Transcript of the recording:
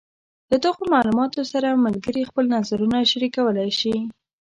له دغو معلوماتو سره ملګري خپل نظرونه شریکولی شي.